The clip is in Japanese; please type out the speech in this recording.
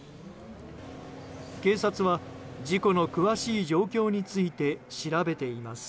警察は事故の詳しい状況について調べています。